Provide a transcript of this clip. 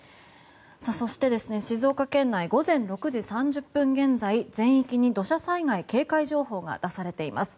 そして、静岡県内午前６時３０分現在全域に土砂災害警戒情報が出されています。